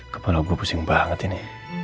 kepala gue pusing banget ini